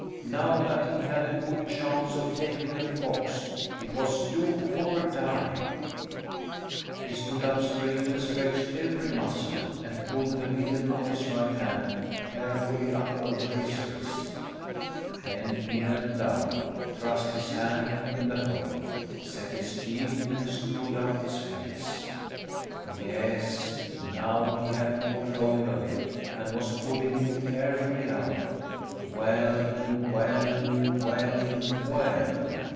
Now that he had a good chance of taking a fox, it was do or die. He stood up straight and stretched every muscle, and pulled the mitten on his right hand carefully up over his wrist. Then he knelt down, thrust his hand in the hole, set his teeth, and screwed up his face. Yes, now he had caught hold of it and was pulling it carefully out. Well, well, well, well!